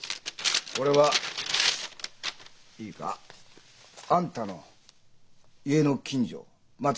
これはいいかあんたの家の近所まあ